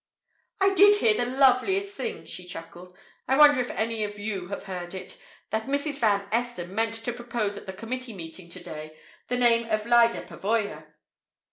"I did hear the loveliest thing!" she chuckled. "I wonder if any of you have heard it? ... That Mrs. Van Esten meant to propose at the committee meeting to day the name of Lyda Pavoya."